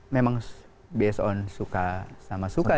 memang berdasarkan suka sama suka